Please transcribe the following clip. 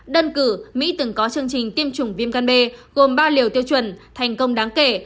đơn cử mỹ từng có chương trình tiêm chủng viêm gan b gồm ba liều tiêu chuẩn thành công đáng kể